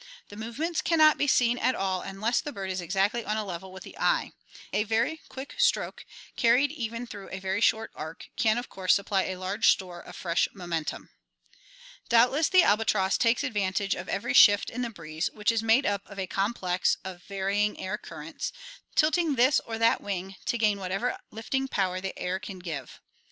The movements can not be seen at all unless the bird is exactly on a level with the eye. A very quick stroke, carried even through a very short arc, can of course supply a large store of fresh momentum." Doubtless the albatross takes advantage of every shift in the breeze, which is made up of a complex of varying air currents, tilting this or that wing to gain whatever lifting power the air can give.